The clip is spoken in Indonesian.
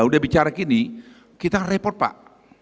udah bicara gini kita repot pak